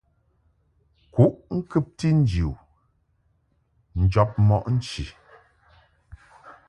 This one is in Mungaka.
Kuʼ ŋkɨbti nji u njɔb mɔʼ nchi.